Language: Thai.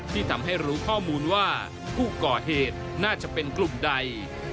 ที่ทำให้รู้ข้อมูลว่าผู้ก่อเหตุน่าจะเป็นกลุ่มใด